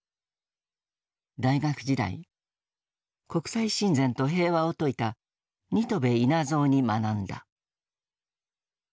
大学時代国際親善と平和を説いた新渡戸稲造に学んだ。